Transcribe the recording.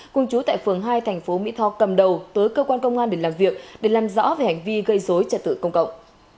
cùng chú tại phường hai thành phố mỹ tho cầm đầu tới cơ quan công an để làm việc để làm rõ về hành vi gây dối trật tự công cộng